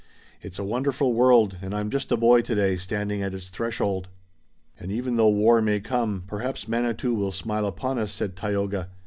"It's a wonderful world and I'm just a boy today, standing at its threshold." "And even though war may come, perhaps Manitou will smile upon us," said Tayoga.